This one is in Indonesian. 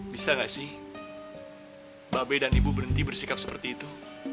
bisa gak sih babe dan ibu berhenti bersikap seperti itu